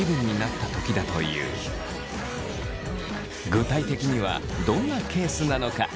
具体的にはどんなケースなのか？